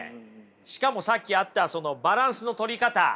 しかもさっきあったそのバランスの取り方